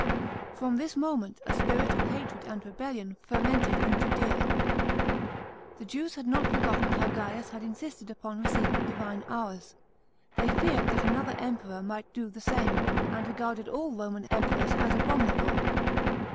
From this moment a spirit of hatred and rebellion fermented in Judea. The Jews had not forgotten how Grains had insisted upon receiving divine honours ; they feared that another Emperor might do the same, and regarded all Roman Emperors as abominable.